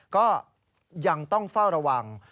ก็ยังต้องเฝ้าระวัง